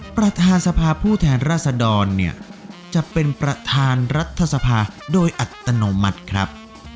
ประธานสภาผู้แทนราษดรเนี่ยจะเป็นประธานรัฐสภาโดยอัตโนมัติครับ